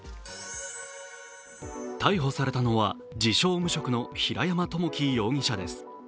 逮捕されたのは、自称・無職の平山智樹容疑者です。